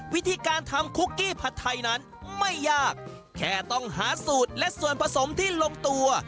วิธีการทำคุกกี้ผัดไทยนั้นไม่ยากแค่ต้องหาสูตรและส่วนผสมที่ลงตัว